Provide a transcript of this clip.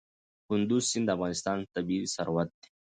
کندز سیند د افغانستان طبعي ثروت دی.